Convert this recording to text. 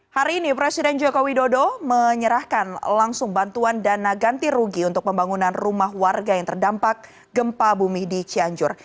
hari ini presiden joko widodo menyerahkan langsung bantuan dana ganti rugi untuk pembangunan rumah warga yang terdampak gempa bumi di cianjur